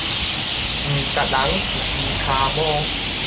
毋值人一支跤毛